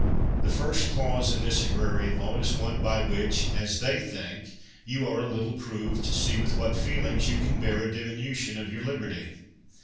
The first clause in this agrarian law is one by which, as they think, you are a little proved, to see with what feelings you can bear a (^inution of your liberty.